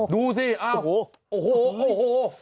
ดูสิโอ้โหโอ้โหโอ้โหโอ้โห